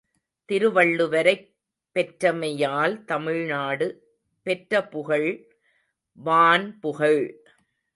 திருவள்ளுவரைப் பெற்றமையால் தமிழ்நாடு பெற்றபுகழ் வான்புகழ்.